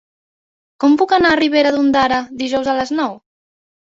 Com puc anar a Ribera d'Ondara dijous a les nou?